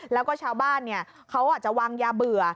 แล้วก็ชาวบ้านเนี่ยเขาจะวางยาเบื่อ